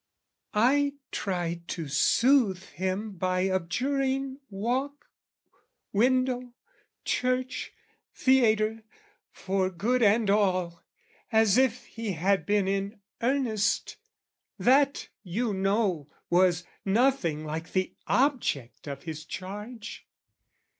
I tried to soothe him by abjuring walk, Window, church, theatre, for good and all, As if he had been in earnest: that, you know, Was nothing like the object of his charge.